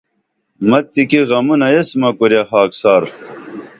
مِتکی غمونہ ایس مہ کُریہ خاکسار